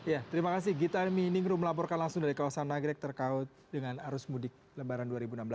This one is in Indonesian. ya terima kasih gita miningru melaporkan langsung dari kawasan nagrek terkait dengan arus mudik lebaran dua ribu enam belas